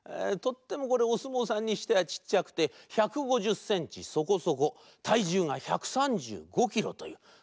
とってもおすもうさんにしてはちっちゃくて１５０センチそこそこたいじゅうが１３５キロという。